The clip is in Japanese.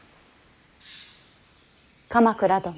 鎌倉殿。